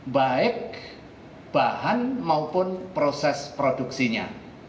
baik bahan maupun proses produksinya